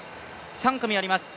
３組あります。